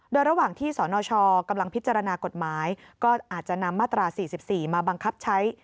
โดยระหว่างที่สนชกำลังพิจารณากฎหมายก็อาจจะนำมาตรา๔๔มาบังคับใช้